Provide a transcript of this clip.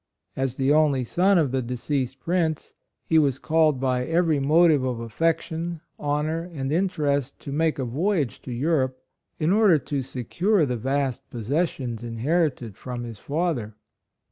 As the only son of the deceased RECALLED TO EUEOPE, &C. 61 Prince, he was called by every mo tive of affection, honor and interest to make a voyage to Europe, in order to secure the vast possessions inherited from his father.